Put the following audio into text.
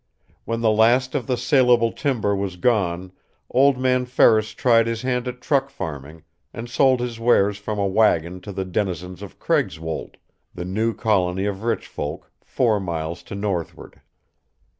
When the last of the salable timber was gone Old Man Ferris tried his hand at truck farming, and sold his wares from a wagon to the denizens of Craigswold, the new colony of rich folk, four miles to northward.